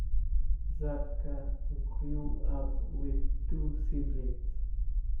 Zabka grew up with two siblings.